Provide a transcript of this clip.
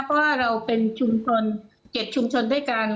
เพราะว่าเราเป็นชุมชน๗ชุมชนด้วยกัน